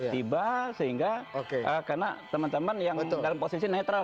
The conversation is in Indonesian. tiba sehingga karena teman teman yang dalam posisi netral